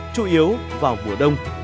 chủ yếu vào mùa xuân